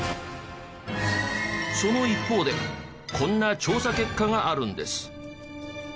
その一方でこんな調査結果があるんです。